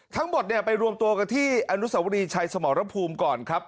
ทั้งหมดเนี่ยไปรวมตัวกันที่อนุสวรีชัยสมรภูมิก่อนครับ